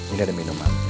ini ada minuman